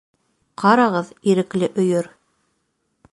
Ҡарағыҙ, Ирекле өйөр!